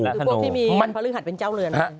คือพวกที่มีวันพระฤหัสเป็นเจ้าเรือน